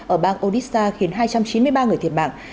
ở bang odisha khiến hai trăm chín mươi ba người thiệt mạng